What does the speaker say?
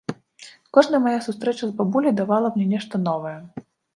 Кожная мая сустрэча з бабуляй давала мне нешта новае.